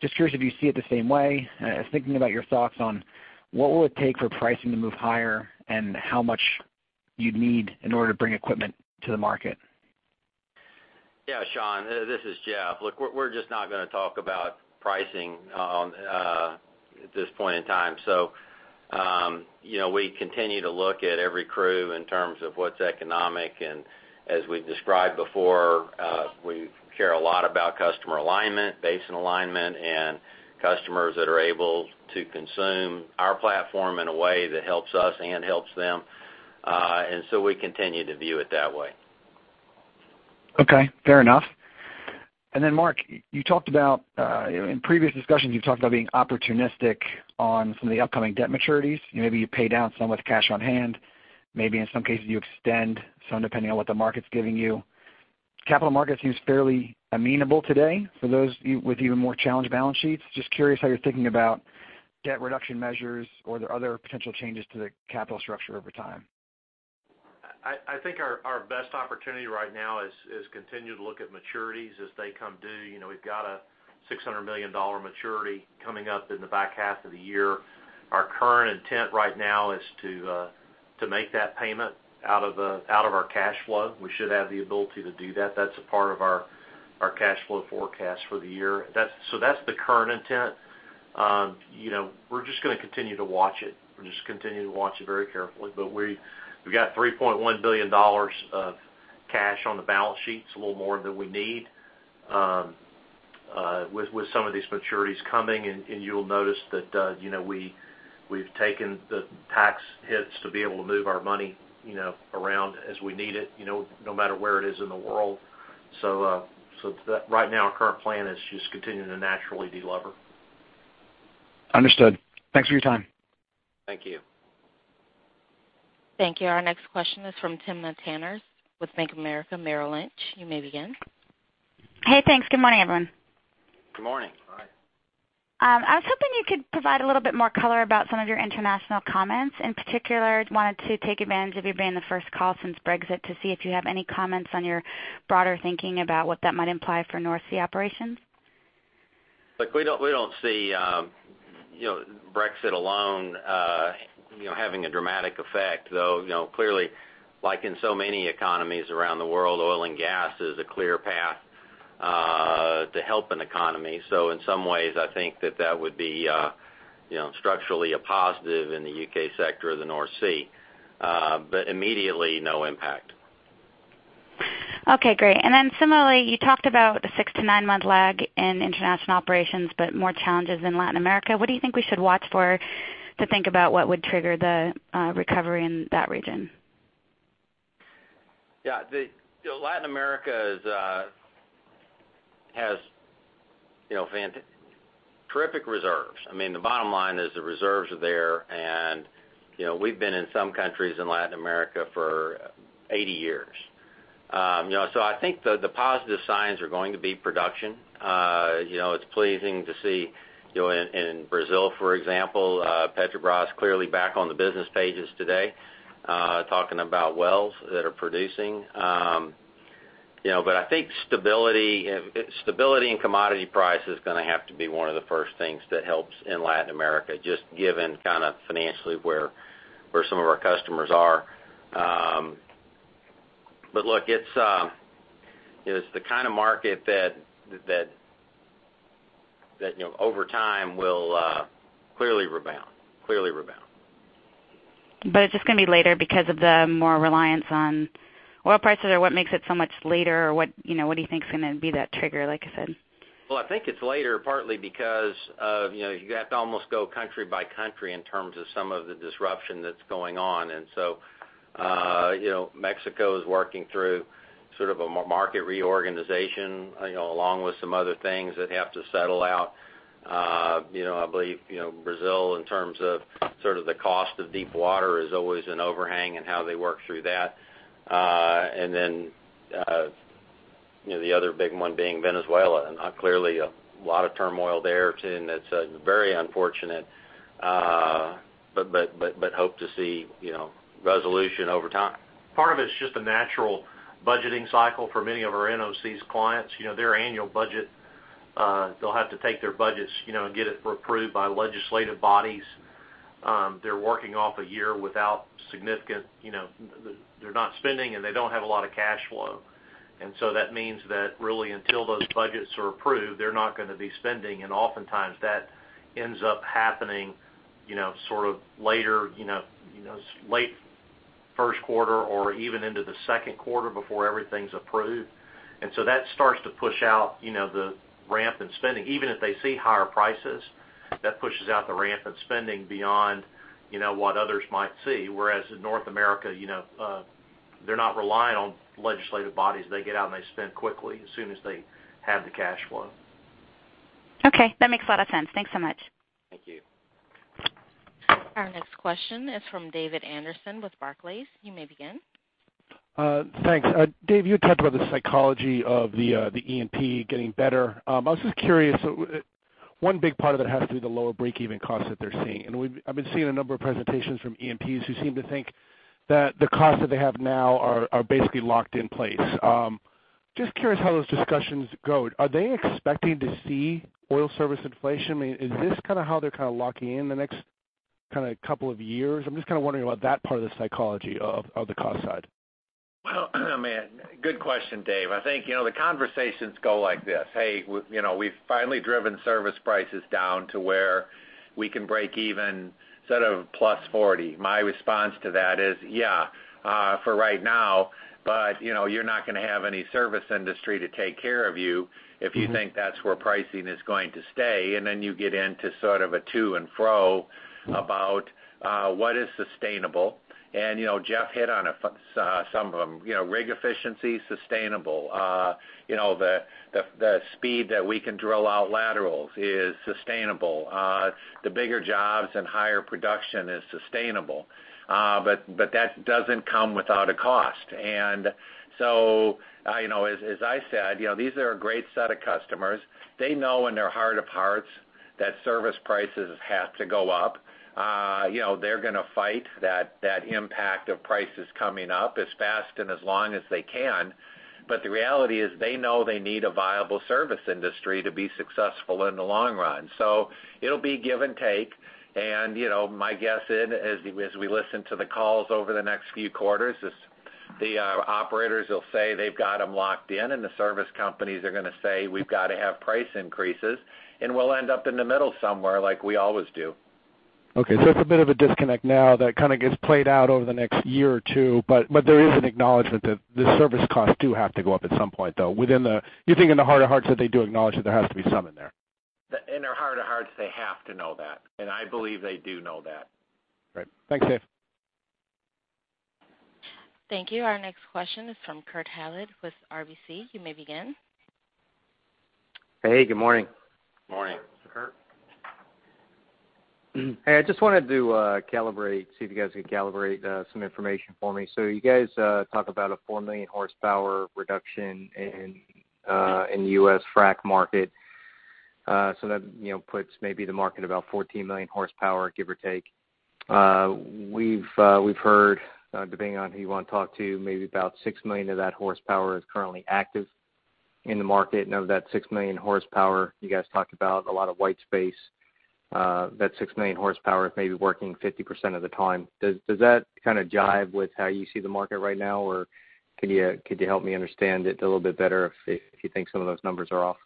Just curious if you see it the same way. I was thinking about your thoughts on what will it take for pricing to move higher, and how much you'd need in order to bring equipment to the market. Sean, this is Jeff. Look, we're just not going to talk about pricing at this point in time. We continue to look at every crew in terms of what's economic, as we've described before, we care a lot about customer alignment, basin alignment, and customers that are able to consume our platform in a way that helps us and helps them. We continue to view it that way. Okay. Fair enough. Mark, in previous discussions, you've talked about being opportunistic on some of the upcoming debt maturities. Maybe you pay down some with cash on hand, maybe in some cases you extend some depending on what the market's giving you. Capital markets seems fairly amenable today for those with even more challenged balance sheets. Just curious how you're thinking about debt reduction measures or the other potential changes to the capital structure over time. I think our best opportunity right now is continue to look at maturities as they come due. We've got a $600 million maturity coming up in the back half of the year. Our current intent right now is to make that payment out of our cash flow. We should have the ability to do that. That's a part of our cash flow forecast for the year. That's the current intent. We're just going to continue to watch it. We'll just continue to watch it very carefully. We've got $3.1 billion of cash on the balance sheets, a little more than we need. With some of these maturities coming in, you'll notice that we've taken the tax hits to be able to move our money around as we need it, no matter where it is in the world. Right now, our current plan is just continuing to naturally de-lever. Understood. Thanks for your time. Thank you. Thank you. Our next question is from Timna Tanners with Bank of America Merrill Lynch. You may begin. Hey, thanks. Good morning, everyone. Good morning. Hi. I was hoping you could provide a little bit more color about some of your international comments. In particular, I just wanted to take advantage of you being the first call since Brexit to see if you have any comments on your broader thinking about what that might imply for North Sea operations. Look, we don't see Brexit alone having a dramatic effect, though clearly, like in so many economies around the world, oil and gas is a clear path to help an economy. In some ways, I think that that would be structurally a positive in the U.K. sector of the North Sea. Immediately, no impact. Okay, great. Similarly, you talked about the 6-9 month lag in international operations, but more challenges in Latin America. What do you think we should watch for to think about what would trigger the recovery in that region? Yeah. Latin America has terrific reserves. The bottom line is the reserves are there, and we've been in some countries in Latin America for 80 years. I think the positive signs are going to be production. It's pleasing to see in Brazil, for example, Petrobras clearly back on the business pages today, talking about wells that are producing. I think stability in commodity price is going to have to be one of the first things that helps in Latin America, just given financially where some of our customers are. Look, it's the kind of market that over time will clearly rebound. It's just going to be later because of the more reliance on oil prices, or what makes it so much later? What do you think is going to be that trigger, like I said? Well, I think it's later partly because you have to almost go country by country in terms of some of the disruption that's going on. Mexico is working through sort of a market reorganization, along with some other things that have to settle out. I believe Brazil, in terms of the cost of deep water is always an overhang and how they work through that. The other big one being Venezuela, and clearly a lot of turmoil there too, and that's very unfortunate. Hope to see resolution over time. Part of it's just a natural budgeting cycle for many of our NOCs clients. Their annual budget They'll have to take their budgets, get it approved by legislative bodies. They're working off a year without significant-- they're not spending, and they don't have a lot of cash flow. That means that really until those budgets are approved, they're not going to be spending, and oftentimes that ends up happening sort of later, late first quarter or even into the second quarter before everything's approved. That starts to push out the ramp in spending. Even if they see higher prices, that pushes out the ramp in spending beyond what others might see, whereas in North America they're not reliant on legislative bodies. They get out, and they spend quickly as soon as they have the cash flow. Okay. That makes a lot of sense. Thanks so much. Thank you. Our next question is from David Anderson with Barclays. You may begin. Thanks. Dave, you had talked about the psychology of the E&P getting better. I was just curious, one big part of it has to be the lower break-even costs that they're seeing. I've been seeing a number of presentations from E&Ps who seem to think that the costs that they have now are basically locked in place. Just curious how those discussions go. Are they expecting to see oil service inflation? Is this how they're locking in the next couple of years? I'm just wondering about that part of the psychology of the cost side. Well, good question, Dave. I think the conversations go like this. "Hey, we've finally driven service prices down to where we can break even instead of +40." My response to that is, "Yeah, for right now, but you're not going to have any service industry to take care of you if you think that's where pricing is going to stay." Then you get into sort of a to and fro about what is sustainable. Jeff hit on some of them. Rig efficiency, sustainable. The speed that we can drill out laterals is sustainable. The bigger jobs and higher production is sustainable. But that doesn't come without a cost. As I said, these are a great set of customers. They know in their heart of hearts that service prices have to go up. They're going to fight that impact of prices coming up as fast and as long as they can. The reality is they know they need a viable service industry to be successful in the long run. It'll be give and take. My guess is, as we listen to the calls over the next few quarters, is the operators will say they've got them locked in, and the service companies are going to say, "We've got to have price increases." We'll end up in the middle somewhere, like we always do. Okay, it's a bit of a disconnect now that kind of gets played out over the next year or two. There is an acknowledgement that the service costs do have to go up at some point, though. You think in their heart of hearts that they do acknowledge that there has to be some in there? In their heart of hearts, they have to know that. I believe they do know that. Great. Thanks, Dave. Thank you. Our next question is from Kurt Hallead with RBC. You may begin. Hey, good morning. Morning. Kurt. Hey, I just wanted to see if you guys could calibrate some information for me. You guys talk about a 4 million horsepower reduction in U.S. frac market. That puts maybe the market about 14 million horsepower, give or take. We've heard, depending on who you want to talk to, maybe about 6 million of that horsepower is currently active in the market. Of that 6 million horsepower, you guys talked about a lot of white space. That 6 million horsepower is maybe working 50% of the time. Does that kind of jive with how you see the market right now? Or could you help me understand it a little bit better if you think some of those numbers are off?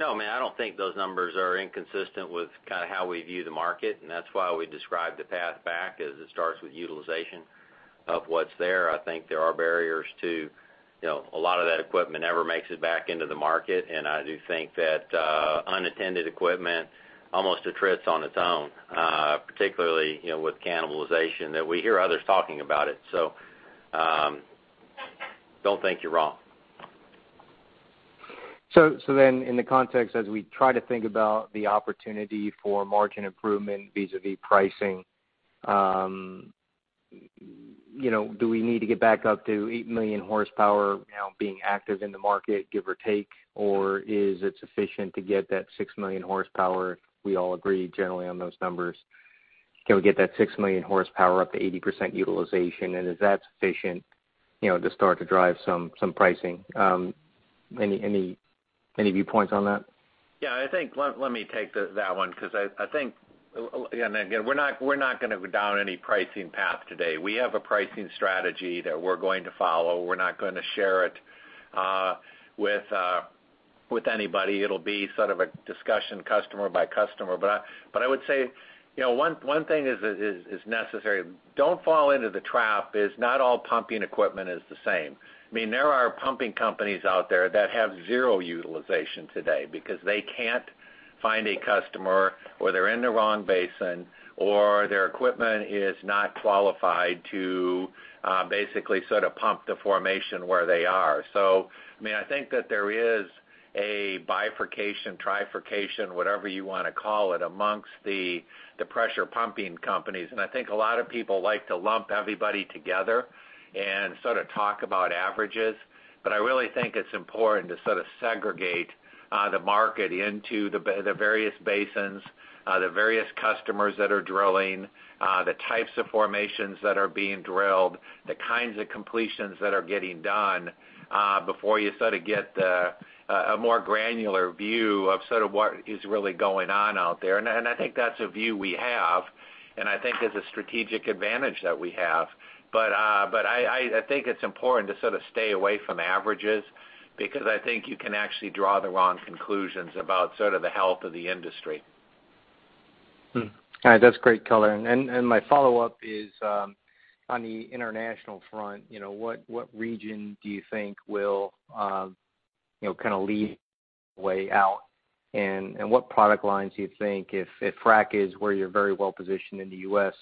No, man, I don't think those numbers are inconsistent with how we view the market, and that's why we describe the path back as it starts with utilization of what's there. I think there are barriers, too. A lot of that equipment never makes it back into the market, and I do think that unattended equipment almost attrits on its own, particularly with cannibalization, that we hear others talking about it. Don't think you're wrong. In the context, as we try to think about the opportunity for margin improvement vis-à-vis pricing, do we need to get back up to 8 million horsepower now being active in the market, give or take? Or is it sufficient to get that 6 million horsepower? We all agree generally on those numbers. Can we get that 6 million horsepower up to 80% utilization, and is that sufficient to start to drive some pricing? Any viewpoints on that? Yeah, let me take that one. Again, we're not going to go down any pricing path today. We have a pricing strategy that we're going to follow. We're not going to share it with anybody. It'll be sort of a discussion customer by customer. I would say, one thing is necessary. Don't fall into the trap is not all pumping equipment is the same. There are pumping companies out there that have zero utilization today because they can't find a customer, or they're in the wrong basin, or their equipment is not qualified to basically sort of pump the formation where they are. I think that there is a bifurcation, trifurcation, whatever you want to call it, amongst the pressure pumping companies. I think a lot of people like to lump everybody together and sort of talk about averages. I really think it's important to segregate the market into the various basins, the various customers that are drilling, the types of formations that are being drilled, the kinds of completions that are getting done, before you get a more granular view of what is really going on out there. I think that's a view we have. I think it's a strategic advantage that we have. I think it's important to sort of stay away from averages because I think you can actually draw the wrong conclusions about sort of the health of the industry. All right. That's great color. My follow-up is, on the international front, what region do you think will kind of lead the way out, and what product lines do you think, if frac is where you're very well positioned in the U.S.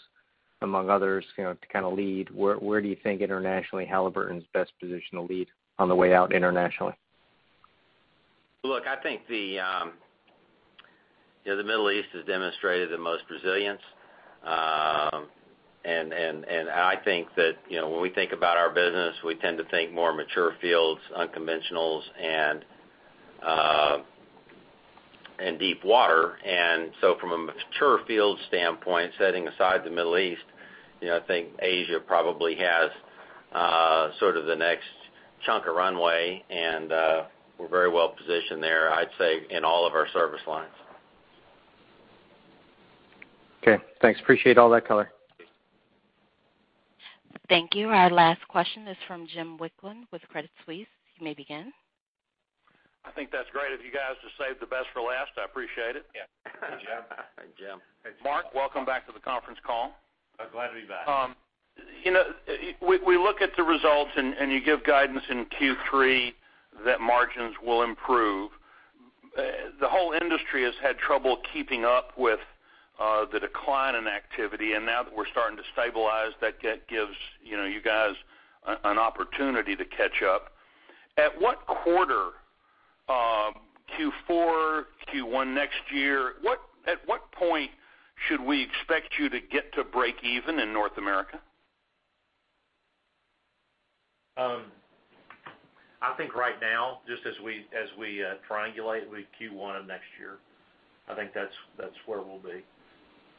among others, to kind of lead, where do you think internationally Halliburton's best positioned to lead on the way out internationally? I think the Middle East has demonstrated the most resilience. I think that when we think about our business, we tend to think more mature fields, unconventionals, and deep water. From a mature field standpoint, setting aside the Middle East, I think Asia probably has sort of the next chunk of runway, and we're very well positioned there, I'd say, in all of our service lines. Okay. Thanks. Appreciate all that color. Thank you. Our last question is from Jim Wicklund with Credit Suisse. You may begin. I think that's great of you guys to save the best for last. I appreciate it. Yeah. Jim. Mark, welcome back to the conference call. Glad to be back. We look at the results, you give guidance in Q3 that margins will improve. The whole industry has had trouble keeping up with the decline in activity, now that we're starting to stabilize, that gives you guys an opportunity to catch up. At what quarter, Q4, Q1 next year? At what point should we expect you to get to break even in North America? I think right now, just as we triangulate with Q1 of next year, I think that's where we'll be.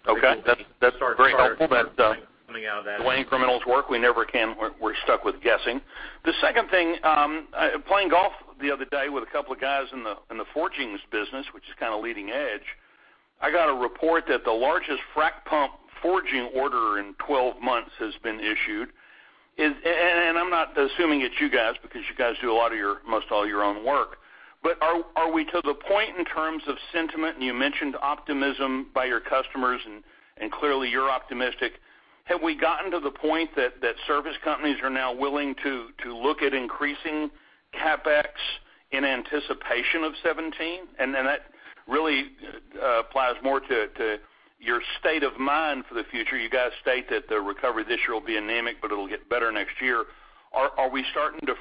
Okay. That's very helpful. Coming out of that. Dwayne criminals work, we never can. We're stuck with guessing. The second thing, playing golf the other day with a couple of guys in the forgings business, which is kind of leading edge, I got a report that the largest frac pump forging order in 12 months has been issued. I'm not assuming it's you guys, because you guys do a lot of your, most all your own work. Are we to the point in terms of sentiment, and you mentioned optimism by your customers, and clearly you're optimistic, have we gotten to the point that service companies are now willing to look at increasing CapEx in anticipation of '17? That really applies more to your state of mind for the future. You guys state that the recovery this year will be anemic, but it'll get better next year. Are we starting to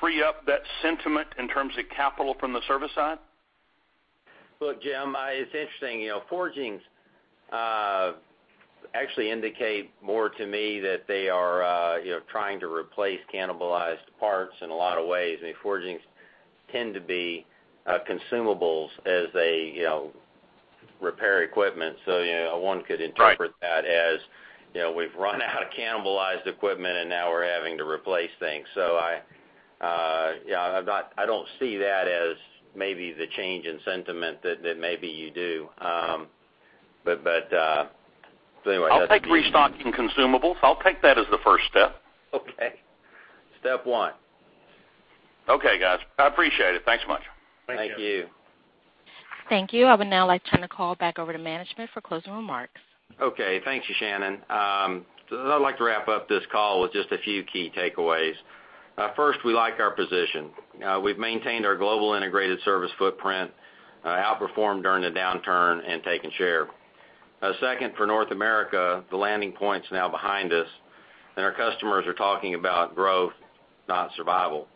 free up that sentiment in terms of capital from the service side? Look, Jim, it's interesting. Forgings actually indicate more to me that they are trying to replace cannibalized parts in a lot of ways. I mean, forgings tend to be consumables as they repair equipment. One could interpret that as we've run out of cannibalized equipment, and now we're having to replace things. I don't see that as maybe the change in sentiment that maybe you do. Anyway. I'll take restocking consumables. I'll take that as the first step. Okay. Step one. Okay, guys. I appreciate it. Thanks so much. Thank you. Thank you. I would now like to turn the call back over to management for closing remarks. Okay. Thank you, Shannon. I'd like to wrap up this call with just a few key takeaways. First, we like our position. We've maintained our global integrated service footprint, outperformed during the downturn, and taken share. Second, for North America, the landing point's now behind us, and our customers are talking about growth, not survival.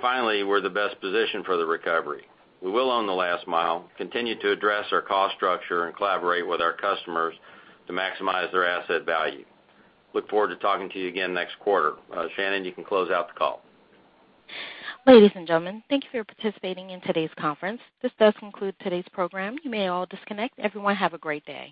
Finally, we're the best position for the recovery. We will own the last mile, continue to address our cost structure, and collaborate with our customers to maximize their asset value. Look forward to talking to you again next quarter. Shannon, you can close out the call. Ladies and gentlemen, thank you for participating in today's conference. This does conclude today's program. You may all disconnect. Everyone have a great day.